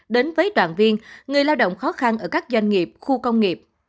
đến với đoàn viên người lao động khó khăn ở các doanh nghiệp khu công nghiệp